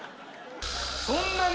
そんなに？